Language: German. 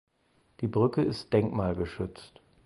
Die Brücke ist denkmalgeschützt.